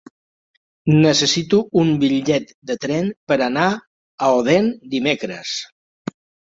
Necessito un bitllet de tren per anar a Odèn dimecres.